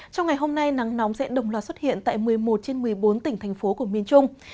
trong ngày hôm nay nắng nóng sẽ đồng loạt xuất hiện tại một mươi một trên một mươi bốn tỉnh thành phố của miền trung